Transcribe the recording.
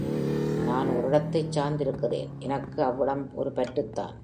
நான் ஓர் இடத்தைச் சார்ந்து இருக்கிறேன் எனக்கு அவ்விடம் ஒரு பற்றுத்தான்.